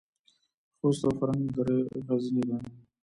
خوست او فرنګ دره غرنۍ ده؟